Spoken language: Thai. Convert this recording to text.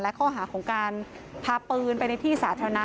และข้อหาของการพาปืนไปในที่สาธารณะ